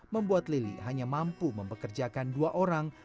membuat lili hanya mampu mempekerjakan dua orang